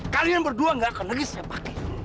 kalian berdua nggak akan lagi saya pakai